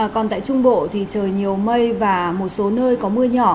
còn tại trung bộ thì trời nhiều mây và một số nơi có mưa nhỏ